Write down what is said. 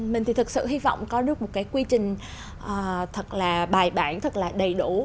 mình thì thật sự hy vọng có được một cái quy trình thật là bài bản thật là đầy đủ